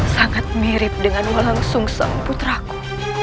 sangat mirip dengan walang sungsang putraku